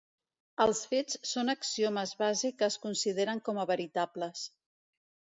Els fets són axiomes base que es consideren com a veritables.